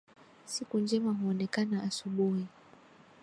Siku njema huonekana asubuhi